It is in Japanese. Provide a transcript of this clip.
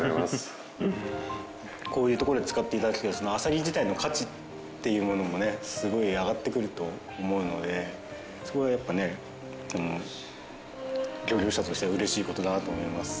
こういうところで使って頂けるとあさり自体の価値っていうものもねすごい上がってくると思うのでそこはやっぱね漁業者としては嬉しい事だなと思います。